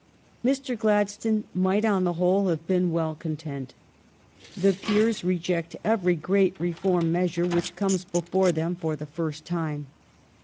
Mr. Gladstone might, on the whole, have been well content. The peers reject every great reform measure which comes before them for the first time.